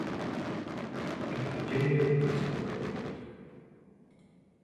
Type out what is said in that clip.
It was a genuine political conflict.